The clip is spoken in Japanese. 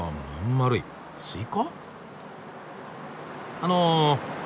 あの。